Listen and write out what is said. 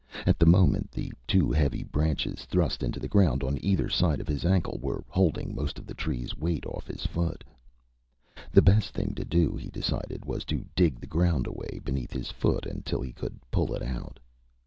At the moment, the two heavy branches, thrust into the ground on either side of his ankle, were holding most of the tree's weight off his foot. The best thing to do, he decided, was to dig the ground away beneath his foot until he could pull it out.